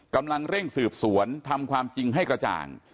กำลังเร่งสืบสวนทำความจริงให้กระจ่าง